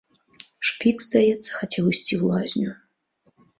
Шпік, здаецца, хацеў ісці ў лазню.